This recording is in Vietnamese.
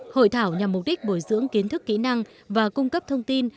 hội thảo nhằm mục đích bồi dưỡng kiến thức kỹ năng và cung cấp thông tin